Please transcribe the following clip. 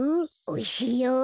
おいしいよ。